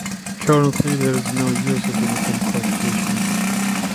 Currently there is no user limit and qualification.